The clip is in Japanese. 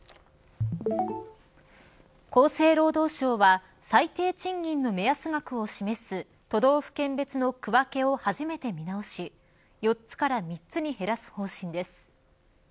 厚生労働省は最低賃金の目安額を示す都道府県別の区分けを初めて見直し４つから３つに減らす方針です。